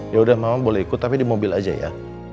yaudah mama boleh ikut tapi di mobil aja ya